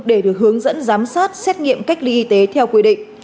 để được hướng dẫn giám sát xét nghiệm cách ly y tế theo quy định